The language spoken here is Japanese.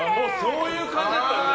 そういう感じだったんだ。